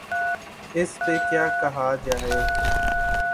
اس پہ کیا کہا جائے؟